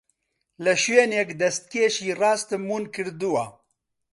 لە شوێنێک دەستکێشی ڕاستم ون کردووە.